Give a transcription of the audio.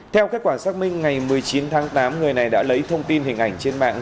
theo kết quả xác minh ngày một mươi chín tháng tám người này đã lấy thông tin hình ảnh trên mạng